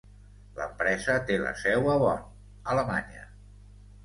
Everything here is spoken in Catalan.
L'empresa té la seu a Bonn, Alemanya.